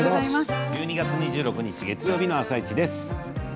１２月２６日月曜日の「あさイチ」です。